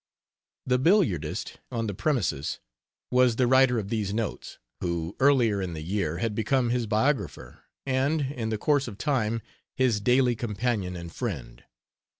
The "billiardist on the premises" was the writer of these notes, who, earlier in the year, had become his biographer, and, in the course of time, his daily companion and friend.